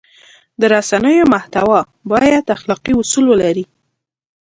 د رسنیو محتوا باید اخلاقي اصول ولري.